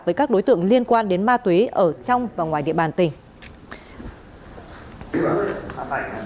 với các đối tượng liên quan đến ma túy ở trong và ngoài địa bàn tỉnh